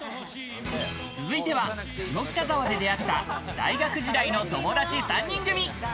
続いては下北沢で出会った大学時代の友達３人組。